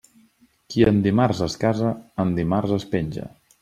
Qui en dimarts es casa, en dimarts es penja.